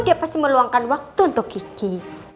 dia pasti meluangkan waktu untuk gigi